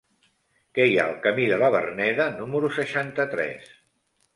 Què hi ha al camí de la Verneda número seixanta-tres?